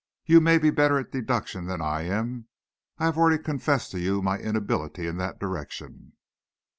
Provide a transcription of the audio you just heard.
You may be better at deductions than I am. I have already confessed to you my inability in that direction."